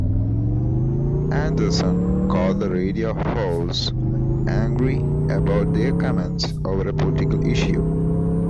Anderson called the radio hosts, angry about their comments over a political issue.